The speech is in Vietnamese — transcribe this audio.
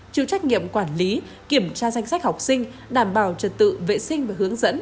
chịu trách nhiệm quản lý kiểm tra danh sách học sinh đảm bảo trật tự vệ sinh và hướng dẫn